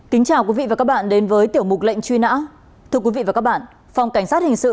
kính chào quý vị và các bạn đến với tiểu mục lệnh truy nã thưa quý vị và các bạn phòng cảnh sát hình sự